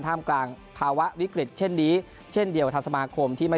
มกลางภาวะวิกฤตเช่นนี้เช่นเดียวกับทางสมาคมที่ไม่